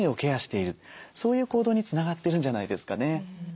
そういう行動につながってるんじゃないですかね。